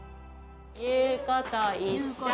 言うこと一緒！